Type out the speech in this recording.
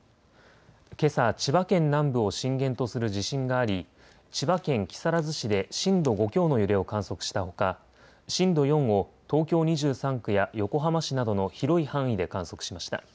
けさ、千葉県南部を震源とする地震があり千葉県木更津市で震度５強の揺れを観測したほか震度４を東京２３区や横浜市などの広い範囲で観測しました。